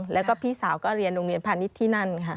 แล้วก็พี่สาวก็เรียนโรงเรียนพาณิชย์ที่นั่นค่ะ